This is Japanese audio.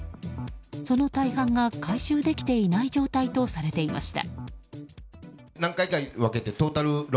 その大半が回収できていない状態とされていました。